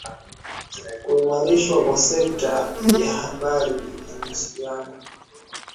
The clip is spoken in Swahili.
kuimarishwa kwa sekta ya habari na mawasiliano